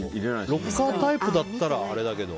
ロッカータイプだったらあれだけど。